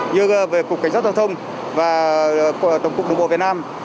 như về cục cảnh sát giao thông và tổng cục đồng bộ việt nam